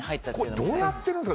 どうやってるんですか？